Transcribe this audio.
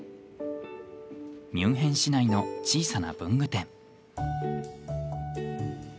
ミュンヘン市内の小さな文具店。